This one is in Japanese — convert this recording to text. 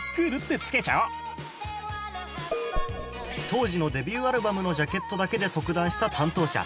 当時のデビューアルバムのジャケットだけで即断した担当者